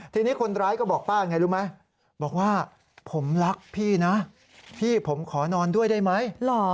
ทีนี้คนร้ายก็บอกป้าไงรู้ไหมบอกว่าผมรักพี่นะพี่ผมขอนอนด้วยได้ไหม